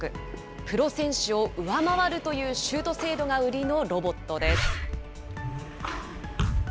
プロ選手を上回るというシュート精度が売りのロボットです。